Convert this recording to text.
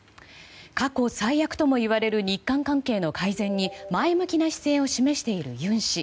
過去最悪ともいわれる日韓関係の改善に前向きな姿勢を示している尹氏。